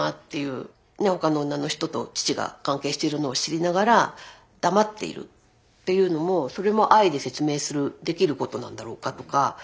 他の女の人と父が関係しているのを知りながら黙っているっていうのもそれも愛で説明するできることなんだろうかとか。